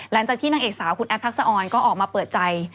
หลังจากที่นางเอกสาวคุณแอฟพรักษะออนก็ออกมาเปิดใจ